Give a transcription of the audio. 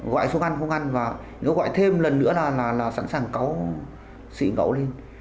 gọi xuống ăn không ăn và nếu gọi thêm lần nữa là sẵn sàng cấu xịn gậu lên